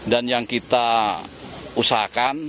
dan yang kita usahakan